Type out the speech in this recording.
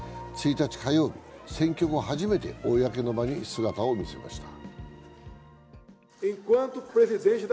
１日の火曜日、選挙後初めて公の場に姿を見せました。